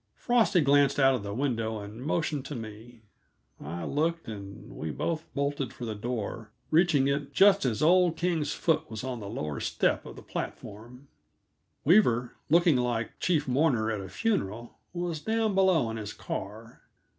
Frosty glanced out of the window and motioned to me. I looked, and we both bolted for the door, reaching it just as old King's foot was on the lower step of the platform. Weaver, looking like chief mourner at a funeral, was down below in his car.